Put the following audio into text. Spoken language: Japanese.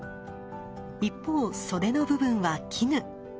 一方袖の部分は絹。